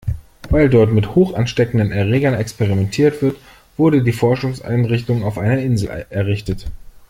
Weil dort mit hochansteckenden Erregern experimentiert wird, wurde die Forschungseinrichtung auf einer Insel errichtet.